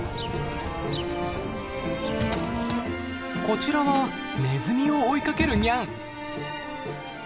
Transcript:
こちらはネズミを追いかけるニャン。